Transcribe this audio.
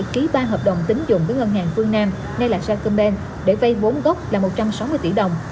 trong hai hợp đồng tín dụng với ngân hàng phương nam ngay lại sacombank để vây vốn gốc là một trăm sáu mươi tỷ đồng